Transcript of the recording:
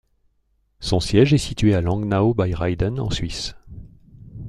Son siège est situé à Langnau bei Reiden, en Suisse.